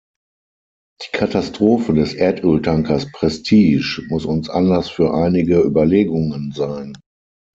Die Katastrophe des Erdöltankers "Prestige" muss uns Anlass für einige Überlegungen sein.